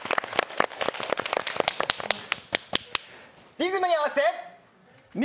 リズムに合わせて！